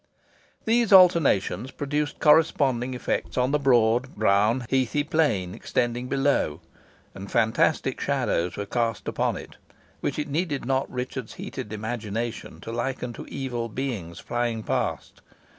These alternations produced corresponding effects on the broad, brown, heathy plain extending below, and fantastic shadows were cast upon it, which it needed not Richard's heated imagination to liken to evil beings flying past.